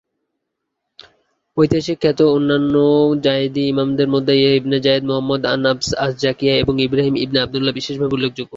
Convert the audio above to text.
ঐতিহাসিকভাবে খ্যাত অন্যান্য জায়েদি ইমামদের মধ্যে ইয়াহিয়া ইবনে জায়েদ, মুহম্মদ আন-নফস আজ-জাকিয়া এবং ইব্রাহীম ইবনে আব্দুল্লাহ বিশেষভাবে উল্লেখযোগ্য।